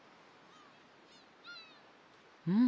うん。